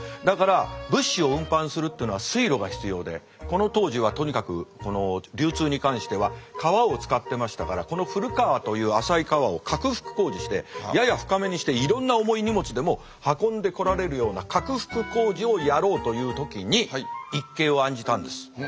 だから物資を運搬するってのは水路が必要でこの当時はとにかく流通に関しては川を使ってましたからこの古川という浅い川を拡幅工事してやや深めにしていろんな重い荷物でも運んでこられるような拡幅工事をやろうという時に一計を案じたんです。